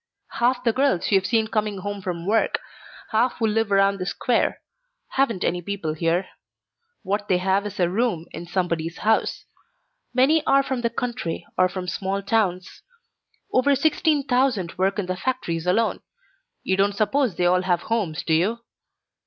"Half the girls you've seen coming home from work, half who live around the Square, haven't any people here. What they have is a room in somebody's house. Many are from the country or from small towns. Over sixteen thousand work in the factories alone. You don't suppose they all have homes, do you?